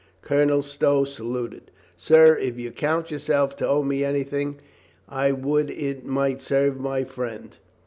Colonel Stow saluted, "Sir, if you count yourself to owe me anything, I would it might serve my friend."